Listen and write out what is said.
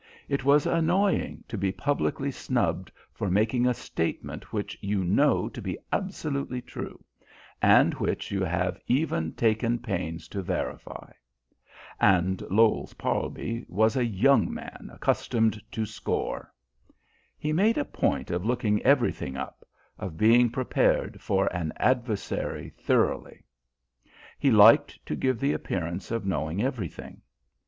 It is annoying to be publicly snubbed for making a statement which you know to be absolutely true, and which you have even taken pains to verify. And Lowes Parlby was a young man accustomed to score. He made a point of looking everything up, of being prepared for an adversary thoroughly. He liked to give the appearance of knowing everything.